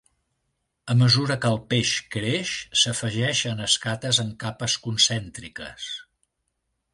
A mesura que el peix creix, s’afegeixen escates en capes concèntriques.